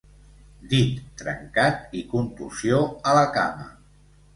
Dit trencat i contusió a la cama.